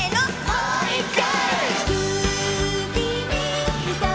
もう１回！